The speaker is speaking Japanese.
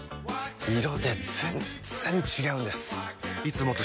色で全然違うんです！